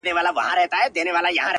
o چي ديـدنونه پــــه واوښـتل،